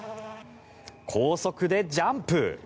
高速でジャンプ！